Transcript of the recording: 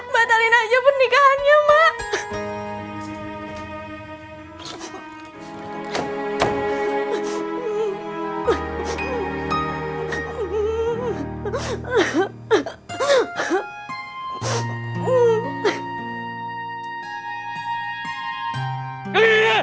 batalin aja pernikahannya mak